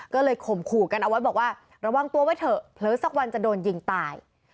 ก็เลยข่มขู่กันเอาไว้บอกว่าระวังตัวไว้เถอะเผลอสักวันจะโดนยิงตาย